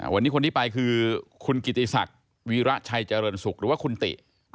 วันนี้คนที่ไปคือคุณกิติศักดิ์วีระชัยเจริญศุกร์หรือว่าคุณติ